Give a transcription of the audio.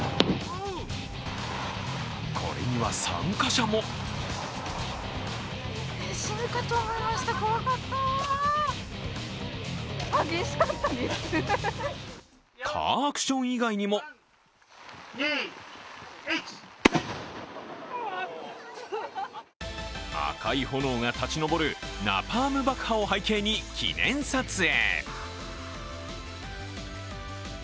これには参加者もカーアクション以外にも赤い炎が立ち上るナパーム爆破を背景に記念撮影。